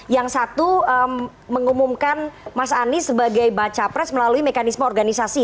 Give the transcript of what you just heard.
yang satu mengumumkan mas anies sebagai baca pres melalui mekanisme organisasi